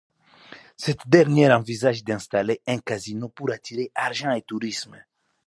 Cette dernière envisage d'installer un casino pour attirer argent et touristes.